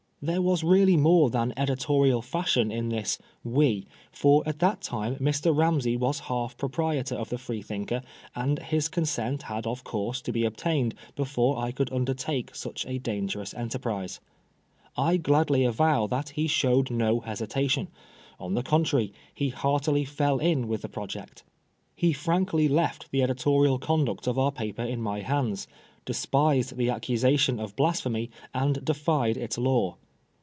There was really more than editorial fashion in this " we," for at that time Mr. Ramsey was half proprietor of the Freethinker, and his consent had of course to be obtained before I could undertake such a dangerous enterprise. I gladly avow that he showed no hesita tion ; on the contrary, he heartily fell in with the project. He frankly left the editorial conduct of our paper in my hands, despised the accusation of Blas phemy, and defied its law.